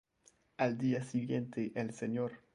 Al día siguiente el Sr.